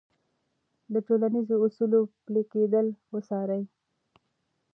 د ټولنیزو اصولو پلي کېدل وڅارئ.